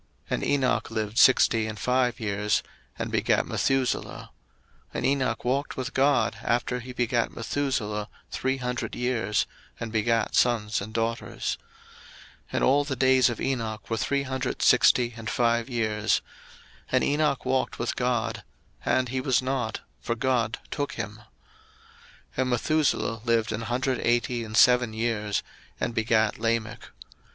01:005:021 And Enoch lived sixty and five years, and begat Methuselah: 01:005:022 And Enoch walked with God after he begat Methuselah three hundred years, and begat sons and daughters: 01:005:023 And all the days of Enoch were three hundred sixty and five years: 01:005:024 And Enoch walked with God: and he was not; for God took him. 01:005:025 And Methuselah lived an hundred eighty and seven years, and begat Lamech.